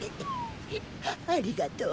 ありがとう。